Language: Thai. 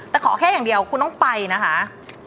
แต่ขอแค่อย่างเดียวคุณต้องไปนะคะ